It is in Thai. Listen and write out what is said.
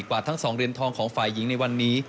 กว่าทั้ง๒เหรียญทองของฝ่ายหญิงในวันนี้